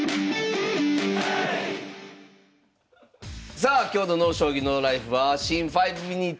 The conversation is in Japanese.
さあ今日の「ＮＯ将棋ＮＯＬＩＦＥ」は新「５ｍｉｎｕｔｅｓ」